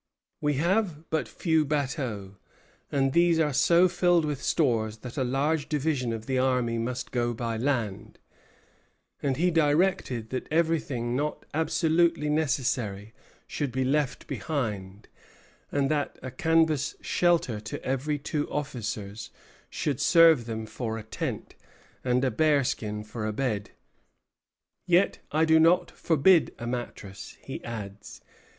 "We have but few bateaux, and these are so filled with stores that a large division of the army must go by land;" and he directed that everything not absolutely necessary should be left behind, and that a canvas shelter to every two officers should serve them for a tent, and a bearskin for a bed. "Yet I do not forbid a mattress," he adds.